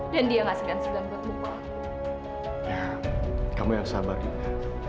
dan dia nggak segan segan buat buka kamu yang sabar dina